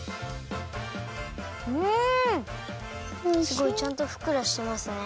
すごいちゃんとふっくらしてますね。